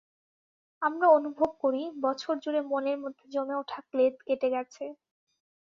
আমরা অনুভব করি, বছরজুড়ে মনের মধ্যে জমে ওঠা ক্লেদ কেটে গেছে।